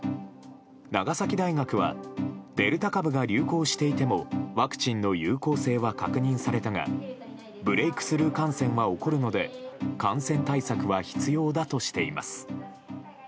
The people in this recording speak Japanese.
長崎大学はデルタ株が流行していてもワクチンの有効性は確認されたがブレークスルー感染は起こるので感染対策は必要だとしています。